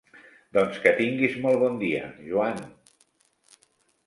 Doncs que tinguis molt bon dia, Joan!